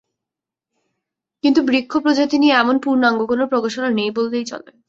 কিন্তু বৃক্ষ প্রজাতি নিয়ে এমন পূর্ণাঙ্গ কোনো প্রকাশনা নেই বললেই চলে।